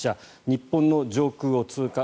日本の上空を通過。